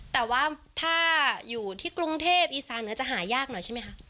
แต่ว่าถ้าอยู่ที่กรุงเทพอีสานเหนือจะหายากหน่อยใช่ไหมคะ